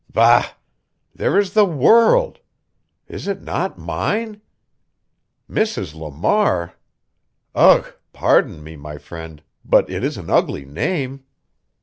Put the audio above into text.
Bah! There is the world is it not mine? Mrs. Lamar? Ugh! Pardon me, my friend, but it is an ugly name.